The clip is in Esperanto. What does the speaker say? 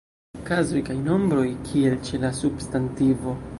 Kazoj kaj nombroj kiel ĉe la substantivo.